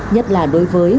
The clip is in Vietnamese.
nhất là đối với